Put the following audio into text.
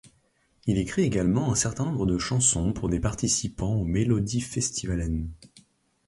Il écrit également un certain nombre de chansons pour des participants au Melodifestivalen.